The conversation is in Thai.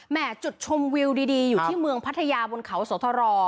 จุดชมวิวดีอยู่ที่เมืองพัทยาบนเขาสธร